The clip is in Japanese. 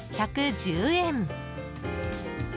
１１０円。